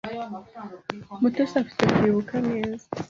Mutesi afite kwibuka neza.